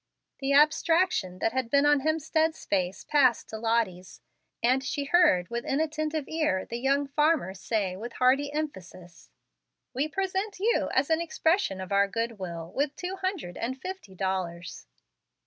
The abstraction that had been on Hemstead's face passed to Lottie's, and she heard with inattentive ear the young farmer say with hearty emphasis, "We present you, as an expression of our good will, with two hundred and fifty dollars."